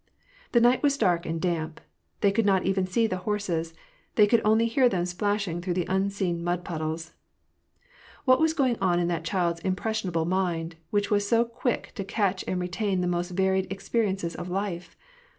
The night was dark and damp. They could not even see the horses : they could only hear them splashing through the unseen mud puddles. What was going on in that child's impressionable mind, which was so quick to catch and retain the most varied expe riences of life